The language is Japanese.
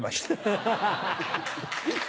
ハハハ。